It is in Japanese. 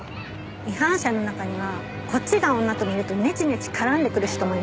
違反者の中にはこっちが女と見るとネチネチ絡んでくる人もいます。